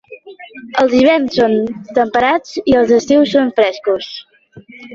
Els hiverns són temperats i els estius són frescos.